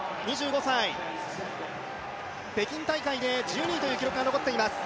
２５歳、北京大会で１２位という記録が残っています。